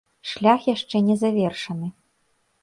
Шлях яшчэ не завершаны.